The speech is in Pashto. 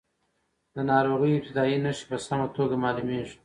د ناروغۍ ابتدايي نښې په سمه توګه معلومېږي.